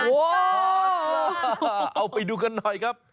โอ้โหเอาไปดูกันหน่อยครับ